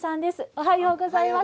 おはようございます。